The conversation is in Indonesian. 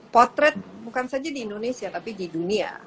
potret bukan saja di indonesia tapi di dunia